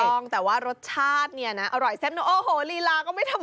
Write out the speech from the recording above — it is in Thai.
ถูกต้องแต่ว่ารสชาติเนี่ยนะอร่อยแซ่บแล้วโอ้โหลีลาก็ไม่ธรรมดา